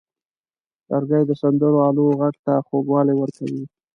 لرګی د سندرو آلو غږ ته خوږوالی ورکوي.